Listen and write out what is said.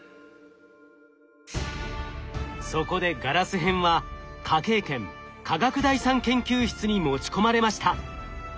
そこでガラス片は科警研化学第三研究室に持ち込まれました。